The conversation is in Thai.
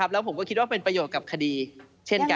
แล้วผมก็คิดว่าเป็นประโยชน์กับคดีเช่นกัน